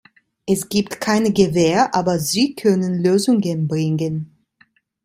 Es gibt keine Gewähr, aber sie können Lösungen bringen.